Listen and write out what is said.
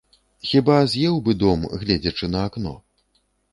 Хіба з'еў бы дом, гледзячы на акно?